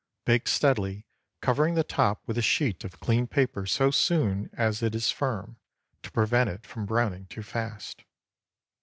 Bake steadily, covering the top with a sheet of clean paper so soon as it is firm, to prevent it from browning too fast.